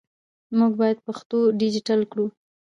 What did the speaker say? موږ باید پښتو ډیجیټل کړو